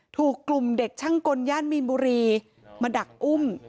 ถูกกลุ่มเด็กช่างกลย่านมีนบุรีมาดักอุ้ม